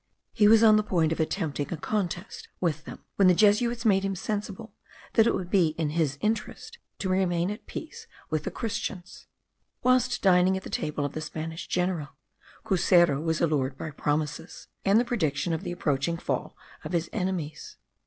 He was on the point of attempting a contest with them, when the Jesuits made him sensible that it would be his interest to remain at peace with the Christians. Whilst dining at the table of the Spanish general, Cuseru was allured by promises, and the prediction of the approaching fall of his enemies.